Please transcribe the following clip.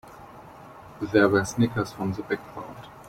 There were snickers from the background.